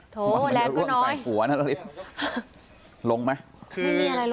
โถแรงก็น้อย